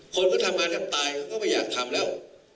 คนก็ทำงานกันตายเขาก็ไม่อยากทำแล้ว